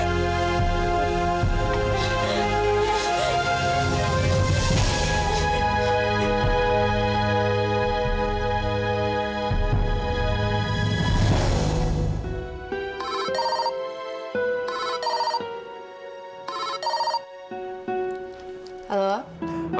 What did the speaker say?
nanti dia nangis juga ya